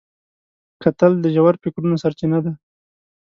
کتل د ژور فکرونو سرچینه ده